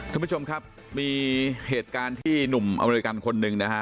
ท่านผู้ชมครับมีเหตุการณ์ที่หนุ่มอเมริกันคนหนึ่งนะฮะ